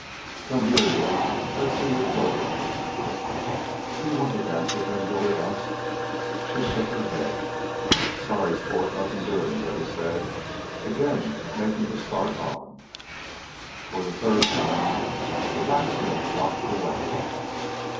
"Come here, you. Let's see your program." "Do you want to dance with him?" Billy asked. She shook her head. "Sorry, sport, nothin' doin'," Billy said, again making to start on. For the third time the blacksmith blocked the way.